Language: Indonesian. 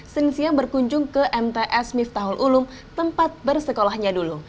senin siang berkunjung ke mts miftahul ulum tempat bersekolahnya dulu